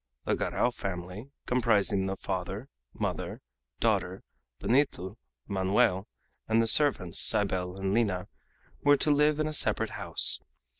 The Garral family, comprising the father, mother, daughter, Benito, Manoel, and the servants, Cybele and Lina, were to live in a separate house.